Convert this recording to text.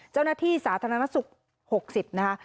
เจ้าหน้าที่สาธารณสุข๖๐นะคะ